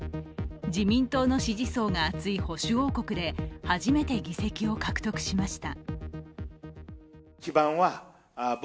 自民党の支持層が厚い保守王国で初めて議席を獲得しました。